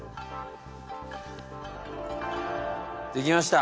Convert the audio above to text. できました。